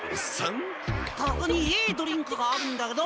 ここにいいドリンクがあるんだけど！